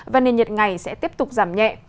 và nền nhiệt ngày sẽ tiếp tục giảm nhẹ